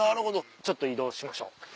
ちょっと移動しましょう